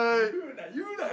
言うなよ